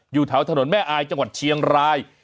อยู่แถวถนนแม่อายจังหวัดเชียงราย